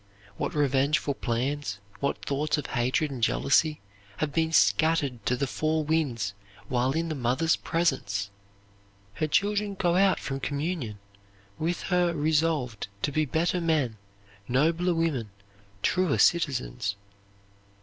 What revengeful plans, what thoughts of hatred and jealousy, have been scattered to the four winds while in the mother's presence! Her children go out from communion with her resolved to be better men, nobler women, truer citizens.